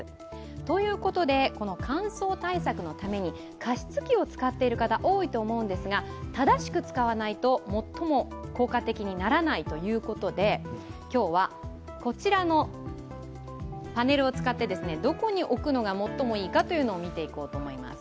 ということで乾燥対策のために加湿器を使っている方、多いと思うんですが正しく使わないと最も効果的にならないということで、今日はこちらのパネルを使って、どこに置くのが最もいいかを見ていこうと思います。